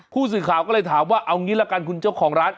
ผู้สื่อข่าวก็เลยถามว่าเอางี้ละกันคุณเจ้าของร้าน